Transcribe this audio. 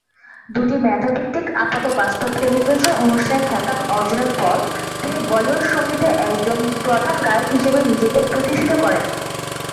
দুইটি মেধা ভিত্তিক আপাতবাস্তব টেলিভিশন অনুষ্ঠান খেতাব অর্জনের পর, তিনি বলিউড সঙ্গীতের একজন প্রধান গায়ক হিসাবে নিজেকে প্রতিষ্ঠিত করেন।